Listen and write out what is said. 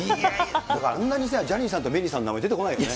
だからさ、ジャニーさんとメリーさんの名前、あんなに出てこないよね。